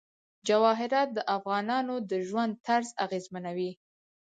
جواهرات د افغانانو د ژوند طرز اغېزمنوي.